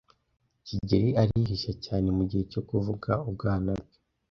kigeli arihisha cyane mugihe cyo kuvuga ubwana bwe.